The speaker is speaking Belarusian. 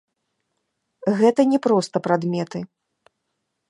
Гэта не проста прадметы.